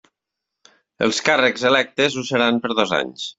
Els càrrecs electes ho seran per dos anys.